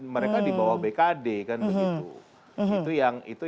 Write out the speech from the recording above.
mereka di bawah bkd kan begitu